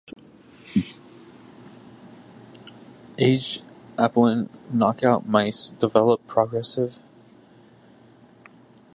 Aged apelin knockout mice develop progressive impairment of cardiac contractility.